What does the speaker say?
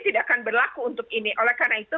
tidak akan berlaku untuk ini oleh karena itu